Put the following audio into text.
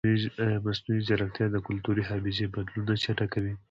ایا مصنوعي ځیرکتیا د کلتوري حافظې بدلون نه چټکوي؟